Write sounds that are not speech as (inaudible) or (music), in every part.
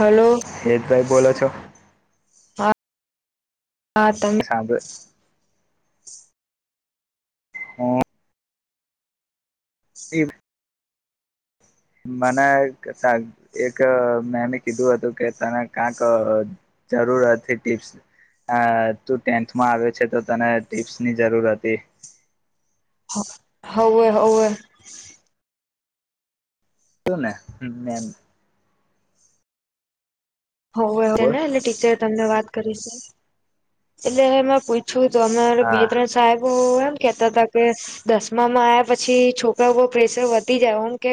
hello હ જ ભાઈ બોલો છો હા હા તમે સાંભળ હમ એ મને એક મેમે કીધું હતું કે તને ક્યાંક જરૂર હતી ટીપ્સ તું ટેન્થમાં આવે્યો છે તો તને ટીપ્સ ની જરૂર હતી હવે હવે શું ને એમ હોય બોલ ને એ ટીચર તમને વાત એટલે પ છું તો અમા બે હા ત્રણ સાહેબોય મ કેતા હતા કે દસમામાં આવ્યા પછી છોકરા ઉપ પ્રેેશર વધી જાય ઓમ કે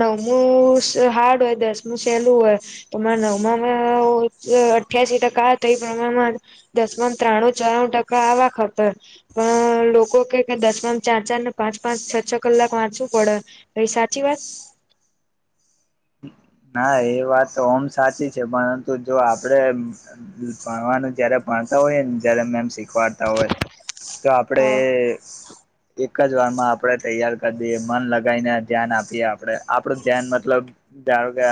નવમું હાર્ડ હોય દસમું સહેલું હોય તોરે નવ અઠ્યાસીી ટકા કા ત એ પ્રમામાં દસમામ ત્રાણું ચારણું ટકા આવા ખતર પણ લોકો કે કે દસમાન ચાર ચાર ને પાંચ પાંચ છ છ કલાક વાંચવું પડે પઈ સાચી વાત ના એ વાત તો આમ સાચી છે પણ તો જો આપડે ભણવાનું જયારે માણતા હોય જ મેમ શીખ વાડતા હોય તો આપડે હા એક એક જ વારમાં આપડણે તૈયાર કરી દઈએ મન લગાવીને ધ્યાન આપીએ આપડે આપડું ધ્યાન મતલબ ધારો કે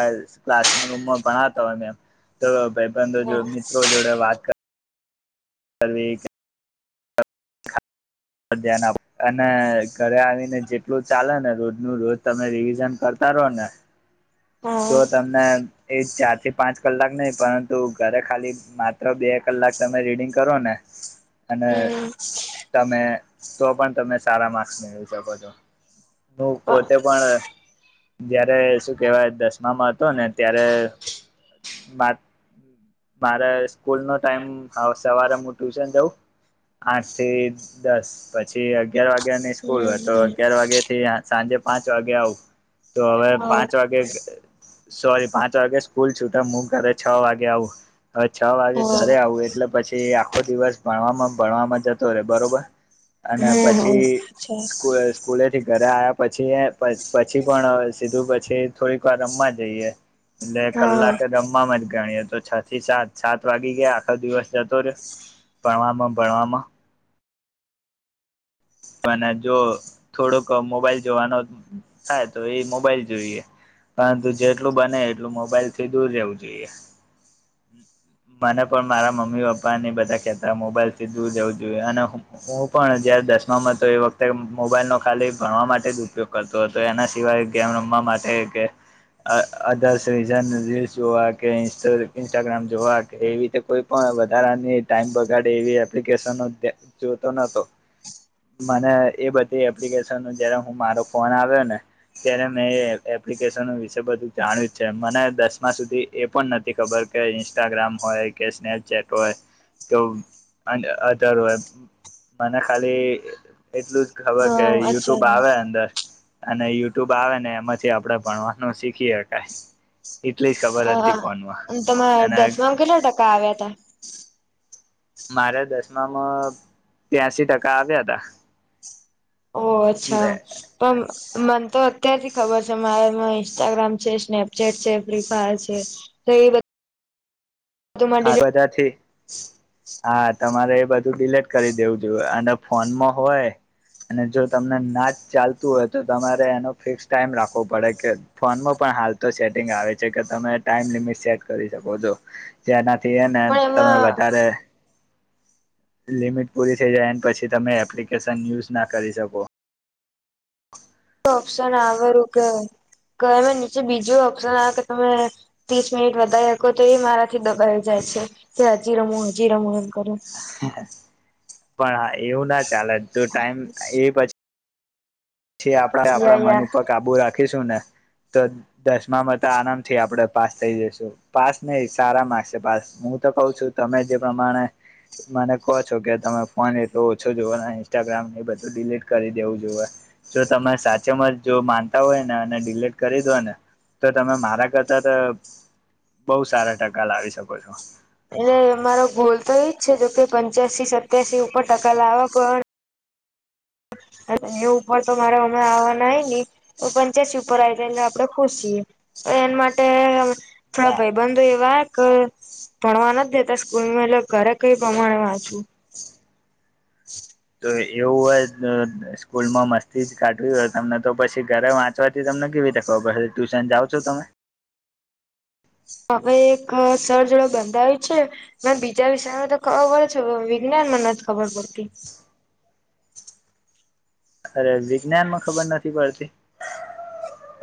ક્લાસ રૂમમાં ભણાતાયને એમ તો ભાઈબંધો જો મિત્રો જોડે વાત કર હ ધ્યાન આપ અને ઘરે આવીને જેટલું ચાલે ને રોજ નું રોજ તમે રિવિઝન કરતા રહો ને તો તમને એ ચાર થી પાંચ કલાક નહી પરંતુ ઘરે ખાલી માત્ર બે કલાક તમે રીડિંગ કરો ને અને તમારા તમે તો પણ તમે સારા માર્ક્સ મેળવી શકો છો હું પોતે પણ જયારે શું કેહેવાય દસમામાં હતો ને ત્યારે બાત મારે સ્કૂલ નો ટાઈમ હ સવારે હ ટ્યુશન જઉં આઠ થી દસ પછી અગિયાર વાગ્યાની સ્કૂલ હોય તો દસમામાં અગયાર વાગ્યા થી સાંજે પાંચ વાગે આવું તો હવે પાંચ વાગે સોરી પાંચ વાગે સ્કૂલ છૂટ હું ઘરે છ વાગે આવું હ છ વાગે ઘરે આવું એટલે પછી આખો દિવસ ભણવામાં ભણવામાં જ બરોબર અને પછી કેટલા સ્કૂલેથી ઘરે આવ પછી પછી પણ સીધું પ છે થોડીક રમવા જઈએ એટલે કલાકે રમવામાં જ ગણીએ તો છ થી સાત સાત વાગી ગયા આખો દિવસ જતો ર્યો પણમાં બણમાં મને જો થોડોક મોબાઈલ જોવાનો થાય તો એ મોબાઈલ જોઈએ પરંતુ જેટલું બને એટલું મોબાઈલ થી દૂર રહેવું જોઈએ મને પણ મારા મમ્મી પપ્પાને બધા કહેતા મોબાઈલ થી દૂર રહેવું જોઈએ અને હું પણ જયાર દસ વખતે મોબાઈલ નો ખાલી ભણવા માટે જ ઉપયોગ કરતો હતો એના સિવાય ગેમ રમવા માટે કે અર્ ર રીલસ જોવા કે ઇન્સ્ટાગ્રામ જોવા કે એવી રીતે કોઈ પણ વધારાની ટાઈમ બગાડે એવી એપ્લિકેશ જોતો નતો મને એ બધી એપ્લિકેશનો જારે હું મારો ફોન આવ્યો ને ત્યારે મેં એ એપ્લિકેશન વિશે બધું જાણ્યું જ છે મને દસમા સુધી એ પણ નથી ખબર કે ઇન્સ્ટાગ્રામ હોય કે સ્નેપચેટ હોય તો અધર હોય મને ખાલી એટલું જ ખબર કે યુટ્યુબ આવે અંદર અને યુટ્યુબ આવે ને એમાંથી આપણે ભણવાનું શીખી શકાય એટલી જ હ ખબર હતી ફોનમાં અને તમારે અને દસમાંમાં કેટલા ટકા આવ્યા હતા મારે દસમામાં ત્યાસીી ટકા આવ્યા હતા ઓ અચ્છા પણ (inaudible) તો અત્યારથી ખબર છે મારે માં ઇન્સ્ટાગ્રામ છે સ્નેપચેટ છે ફ્રીલીફાયર છે તો એ બધા આા બધા છે હા તમારે એ બધું ડિલેટ કરી દેવું જોઈએ અને ફોનમાં હોય અને જો તમને ના જ ચાલતું હોય તો તમારે એનો ફિક્સ ટાઈમ રાખવો પડે કે ફોનમાં પણ હાલ તો સેટિંગ આવે છે કે તમે ટાઈમ લિમિટ સેટ કરી શકો છો જેના ને પણ તમે એમાં વધારે લિમિટ પૂરી થઈ જાય એ પછી તમે એપ્લિકેશન યુઝ ના કરી શકો ઓપ્શન આવેરું કે નીચે બીજું ઓપ્શન આવે કે તમે ત્રીસ મિનિટ વધારે હકો તો એ મારાથી દબાઈ જાય છે કે હજી રમું હજી રમું એ કરો પણ હા એવું ના ચાલે તો ટાઈમ એ પછી જે આપણા યા આપણા મન યા ઉપર કાબુ રાખ કે શું ના તો દસમા માં તો આરામ થી આપડે પાસ થઈ જશુ પાસ ની સારા માર્ક્ છે પાસ હું તો કઉ છું તમે જે પ્રમાણે મને કહો છો કે તમે ફોન એ તો ઓછો જોવને ઇન્સ્ટાગ્રામ એ બધું ડિલીટ કરી દેવું જોએ જો તમે સાચે મર જો માનતા હોય ને અને ડિલીટ કરી દો ને તો તમે મારા કરતાં તો બઉ સારા ટકા લાવી શકો (inaudible) એટલે અમારો ગોલ તો એજ છે જો કે પંચ્યાસી સત્યાસી ઉપર ટકા લાવવા પણ એ ઉપર તો મારે અમે આવવાનાય ને તો પંચ્યાસી ઉપર આવી જાય એલે આપડે ખુશ છીએ તો એના માટે થોડા ના ભાઈ બંધો એવા ભણવા નથી દેતા સ્કૂલમાં એટલે ઘરે કઈ પ્રમાણે વાંચું તો એવું હોય સ્કૂલ માં મસ્તી જ કાઢવી હોય તમને તો પછી ઘરે વાંચવાથી તમને કેવી તખવા પી ટ્યુશન જાવ છો તમે હવે એક સર જોડે બંધાવી છે મેને બીજા વિષયમાં તો ખબર છે વિજ્ઞાનમાં નથી ખબર પડતી અરે વિજ્ઞાન માં ખબર નથી પડતી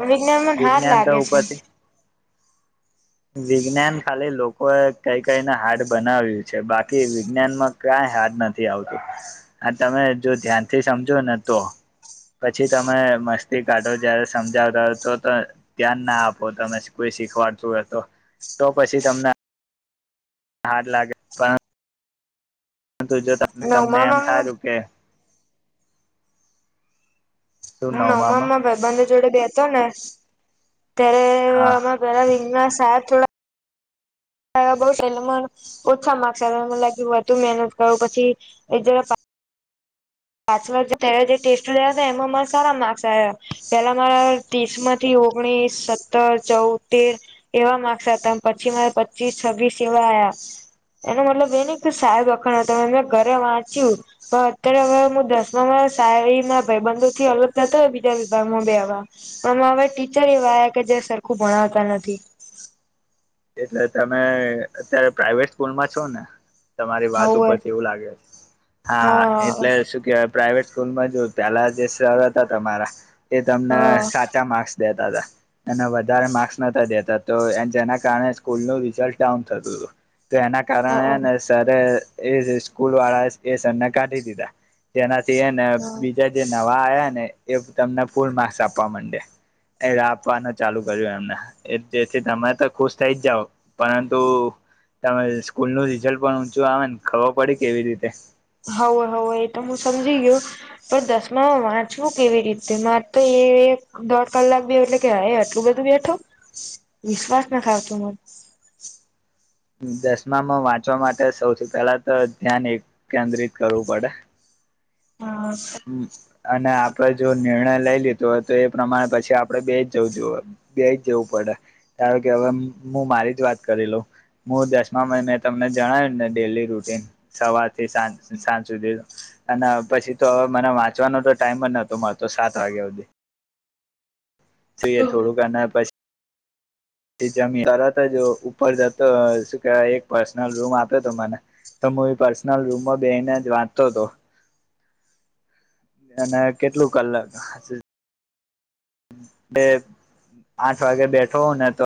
વિજ્ઞાન મને હાર્ડ વિજ્ઞાન તો લાગે છે ઉપરથી વિજ્ઞાન ખાલી લોક લોકો કઈ કઈને હાર્ડ બનાવ્યું છે બાકી વિજ્ઞાનમાં કાંઈ હાર્ડ નથી આવતું આ તમે જો ધ્યાનથી સમજો ને તો પછી તમે મસ્તી કાઢો જ્યારે સમજાવતા હોય તો તો ધ્યાન ના આપો તમે કોઈ શીખવાડતું તો તો પછી તમને હાડ લાગે પણ જો તમને એમ નવમામાં થાયું કે હું નવમામાં ભઈ બંધ જોડે બે તો ના ત્યારે હા આમાં પેલા વિંગનાસ તા થોડા બ એ મ ઓછા માર્સ મને લાગ વધુ મહેનત કરું પછી એ જરા પાચ પ જે ટેસ્ટ લયા હતા એમાં મારા સારા માર્ક્સ આવ્યા પેલા મારા ત્રીસ માંથી ઓગણીસ સત્તર ચૌતેર એવા માર્ક્સ હતા પછી મારા પચીસ છ્વીસ એવા આવ એનો મતલબ એને સાહેબ વખાણ હતો મેં ઘરે વાંચ્યું પણ અત્યારે હવે દસમામાં શ ભાઈબંધો થી અલગ થતા હોય બીજા વિભાગમાં બે આવા પણમાં હવા ટીચર એવા આવ્યા કે જે સરખું ભણાવતા નથી એટલે તમે અત્યારે પ્રાઈવેટ સ્કૂલમાં છો ને તમારી વાત આવું ઉપરથી એવું લાગે છે હા એટલે શું કે પ્રાઈવેટ સ્કૂલમાં જો પેલા જે સર હતા તમારા એ હા તમને સાચા માર્ક્સ બે તા હતા એને વધારે માર્ક્સ નતા દેતા તો તો જેન કારણે સ્કૂલ નું રિઝલ્ટ ડાઉન થતું હતું તો એના કારણે ને સરારે એ સ્કૂલ વાળા એ સને કાઢી દીધા તેના તેને બીજા જે નવા આવ્યા ને એ તમને ફૂલ માસ આપવા માંડે એ આપવાનું ચાલુ કર્યું એમને જેથી તમે તો ખુશ થઈ જ જાઓ પરંતુ તમે સ્કૂલ નું રીઝલ્ટ પણ ઊંચું આવે ને ખબર પડી કેવી રીતે હવવે હોવવે એ તો હું સમજી ગયયો પણ દસમામાં વાંચવું કેવી રીતે મારે તો એ એક દોઢ કલાક બે એટલે કે હ આટલું બધું બેઠો વિશ્વાસ નાખાવતો મને દસમામાં વાંચવા માટે સૌથી પહેલા તો ધ્યાન એક કેન્દ્રિત કરવું પડે હા હ અને આપડે જો નિર્ણય લઈ લીધ જોય તો એ પ્રમાણે પછી આપડણે બે જ જવું જો બે જ જવું પડે કારણ કે હવે હું મારી જ વાત કરી લઉં હું દસમા મહિ મે તમને જણાવ્યું ને ડેલી રૂટીન સવારથી સાંજ સાંજ સુધી અને પછી તો હવે મને વાંચવાનો તો ટાઈમ જ નતો મળતો સાત વાગ્યા સુધી જોઈએ થોડુંક ના પછી એ જમીન તરત જ ઉપર જતો શું કેવાય એક પર્સનલ રૂમ આપ્યો હતો મને તો હું એ પર્સનલ રૂમમાં બેને જ વાંચતો હતો અને કેટલું કલાક હ બે આઠ વાગે બેઠો ને તો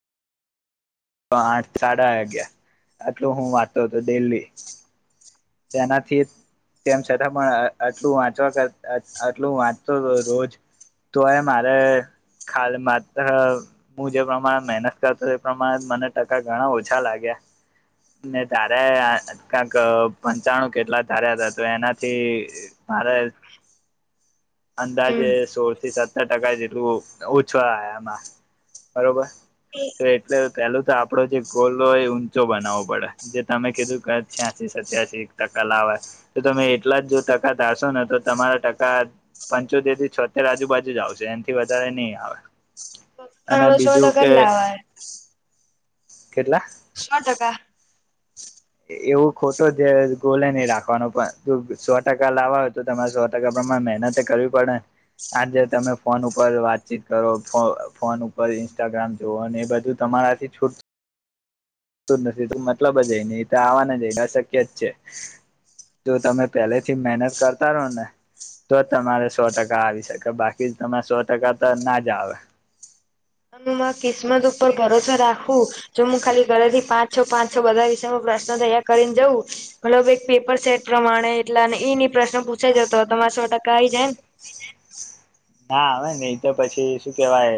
તો આઠ સાડા અગયા આટલું હું વાંતો હતો દિલ્હી તેનાથી તેમ છતાં પણ આટલું વાંચવા આટલું વાંચતો રોજ તો એ મારે ખ માત્ર હું જે પ્રમાણે મહેનત કરતો એ પ્રમાણે મને ટકા ઘણા ઓછા લાગ્યા ને તારે કંક પંચાણું કેટલા ધાર્યા હતા તો એનાથી મારે અંદાજે સો થી સત્તર ટકા જેટલું ઓછવામાં બરોબર તો એટલે પેલું તો આપડો જે ગોલ હોય ઊંચો બનાવવો પડે જે તમે કીધું કે છ્યાસી સત્યાસી ટકા લાવવાય તો તમે એટલા જ જો ટકા ધારશો ને તો તમારા ટકા પંચોતેર થી છોતેર આજુબાજુ જ આવશે એનાથી વધારે નહી આવે અને છો તો બીજું કે કેટલાવા કેટલા શો ટકા એવું ખોટો જે ગોલે નહી રાખવાનો પણ ત સો ટકા લાવવા હોય તો તમારે સો ટકા પ્રમાણે મહેનત કરવી પડેને આજે તમે ફોન ઉપર વાતચીત કરો ફોન ઉપર ઇન્સ્ટાગ્રામ જોવો એ બધું તમારાથી છૂટ ું નથી તું મતલબ જ ન તો આવવાને જ અશક્ય જ છે તો તમે પહેલેથી મહેનત કરતા રહો ને તો જ તમારે સો ટકા આવી શકે બાકી તરે સો ટકા તો ના જ આવે કિસ્મત ઉપર ભરોસો રાખવું જો હું ખાલી ઘરેથી પાંચ છો પાંચ છો બધા વિશે પ્રશ્ન તૈયાર કરી ને જઉં હલો પેપર સેટ પ્રમાણે એટલા ઈની પ્રશ્ન પૂછાય જ તો તમારે સો ટકા આવી જાય ના આવે નને એ તો પછી શું કેવાય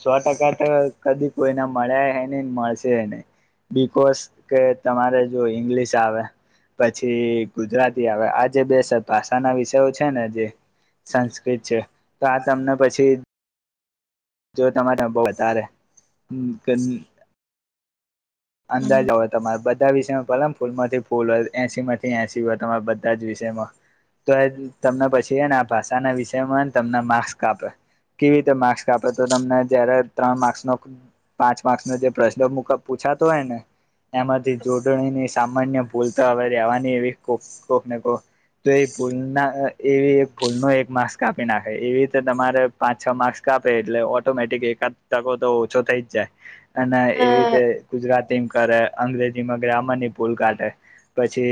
સો ટકા તો કદી કોઈને મળ્યા હ નહીને મળશે નઈ બકોસ કે તમારે જો ઈંગ્લિશ આવે પછી ગુજરાતી આવે આ જે બે ભાષાના વિષયો છે ને જે સંસ્કૃત છે તો આ તમને પછી જો તમારે બહ બારે અંદાજ હોય તમારે બધા વિષયમાં પેલા ફૂલમાંથી ફૂલ હોય એસી માંથી એસી હોય તમારા બધા જ વિષયમાં તો એ તમને પછીને આ ભાષાના વિષયમાંને તમને માર્સ કાપે કેવી રીતે માર્સ કાપે તો તમને જયારે ત્રણ માર્સનો પાંચ માર્સનો જે પ્રશ્ન પૂછા હોય ને એમાંથી જોડણીની સામાન્ય ભૂલ તો હવે રહેેવાની એવી કોક કોક ને કોક તો એ ભૂલના એવી એક ભૂલ ન એક માર્ક્સ કાપી નાખે એવી રીતે તમારે પાંચ છ માર્ક્સ કાપે એટલે ઓટોમેટિક એકાદ તકો તો ઓછો થઈ જ જાય અને ને એવી રીતે અને ગુજરાતીમાં કરે અંગ્રેજીમાં ગ્રામરની ભૂલ કાઢે પછી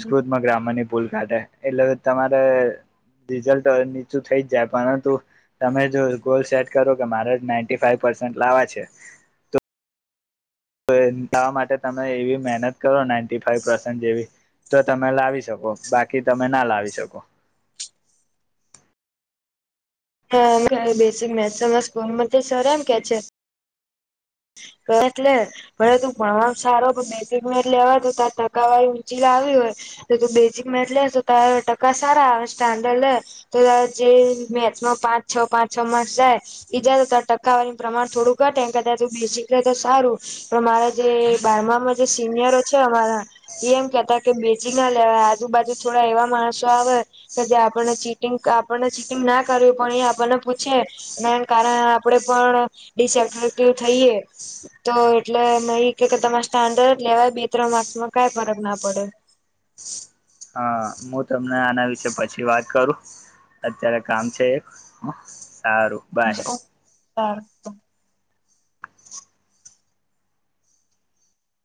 હમ ગ્રામરની ભૂલ કાઢે એટલે તમારે રિઝલ્ટ નીચું થઈ જ જાય પરંતુ તમે જો ગોલ સેટ કરો કે મારે જ નાઈન્ટી ફાાઈવ પર્સન્ટ લાવવાે છે તો તોવા માટે તમે એવી મહેનત કરો નાઇન્ટી ફાઈવ પસન્ટ જેવી તો તમે લાવી શકો બાકી તમે ના લાવી શકો હા બેસિક મેથસ સ્કૂલમાં સર એમ કે છે લે ભલે તું ભણવાનું સારો બેઝિક મેચ લેવા તો તાર ટકાવારી ઊંચી લ આવી હોય તો તું બેઝિક મેચ લે તો તાર ટકા સારા આવે સ્ટાન્ડર્ડ લે તો ત જે મેથમાં પાંચ છ પાંચ છ માર્સ જાય ઈજા તો ત ટકાવારીનું પ્રમાણ થોડું ઘટેને કદા તું બેઝિક એ તો સારું પણ મારા જે બારમામાં જે સિનિયરો છે અમારા એ એમ કેહેતા કે બેજિંગ ના લેવાય આજુબાજુ થોડા એવા માણસો આવે કે જે આપણને ચીટિંગ આપણને ચીટિંગ ના કરવી પણ એ આપણને પૂછે એના કારણે આપણે પણ ડિસટક્ટિવ થઈએ તો એટલે મે એઈ કે કે તમારે સ્ટાન્ડર્ડ લેવાય બે ત્રણ માર્ક્સમાં કઈ ફરક ના પડે હા હું તમને આના વિશે પછી વાત કરું અત્યારે કામ છે એક સારું બાય પારક